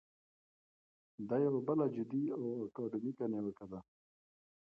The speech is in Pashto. دا یوه بله جدي او اکاډمیکه نیوکه ده.